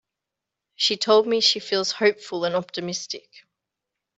She told me she feels hopeful and optimistic.